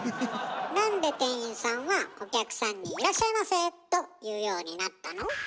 なんで店員さんはお客さんに「いらっしゃいませ」と言うようになったの？